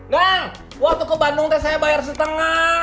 dang waktu ke bandung saya bayar setengah